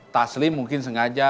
taslim mungkin sengaja